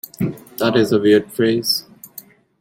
That is a weird phrase.